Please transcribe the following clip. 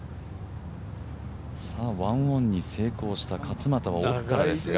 １オンに成功した勝俣は奥からですが。